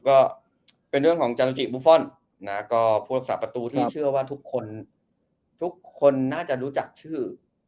ก็เป็นเรื่องของจานุจิบุฟฟอนด์ผู้ลักษณะประตูที่เชื่อว่าทุกคนน่าจะรู้จักชื่อ